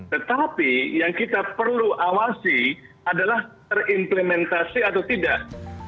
tetapi yang kita perlu awasi adalah terimplementasi atau tidak